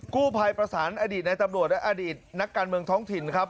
กู้ภัยประสานอดีตในตำรวจและอดีตนักการเมืองท้องถิ่นครับ